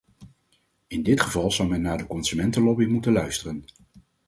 In dit geval zou men naar de consumentenlobby moeten luisteren.